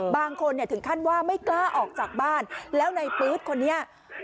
บางคนเนี่ยถึงขั้นว่าไม่กล้าออกจากบ้านแล้วในปื๊ดคนนี้